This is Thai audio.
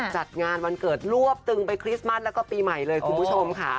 จัดงานวันเกิดรวบตึงไปคริสต์มัสแล้วก็ปีใหม่เลยคุณผู้ชมค่ะ